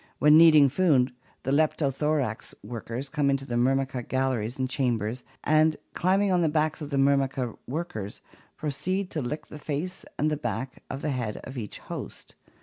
When needing food the Leptothorax workers come into the Myrmica galleries and chambers, and, climbing on to the backs of the Myrmica workers, proceed to lick the face and the back of the head of each host.